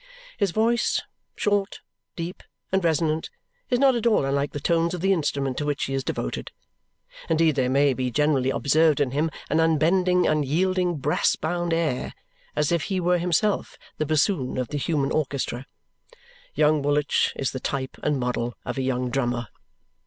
His voice, short, deep, and resonant, is not at all unlike the tones of the instrument to which he is devoted. Indeed there may be generally observed in him an unbending, unyielding, brass bound air, as if he were himself the bassoon of the human orchestra. Young Woolwich is the type and model of a young drummer.